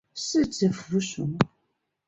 四指蝠属。